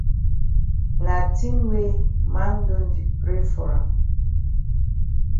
Na tin way man don di pray for am.